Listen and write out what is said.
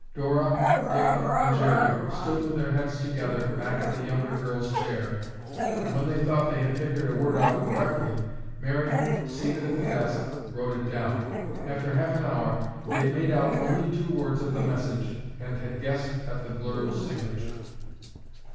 Dora, Dick and Jerry stood with their heads together back of the younger girl's chair, and when they thought they had figured a word out correctly, Mary, seated at the desk, wrote it down. After half an hour, they had made out only two words of the message and had guessed at the blurred signature.